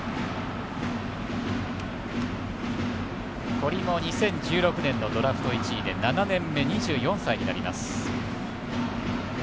堀も２０１６年のドラフト１位で７年目、２４歳になります。